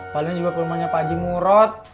palingan juga ke rumahnya pak aji murot